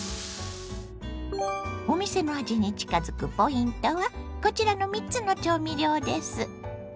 お店の味に近づくポイントはこちらの３つの調味料です。